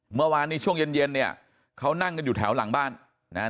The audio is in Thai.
เมื่อวานนี้ช่วงเย็นเย็นเนี่ยเขานั่งกันอยู่แถวหลังบ้านนะฮะ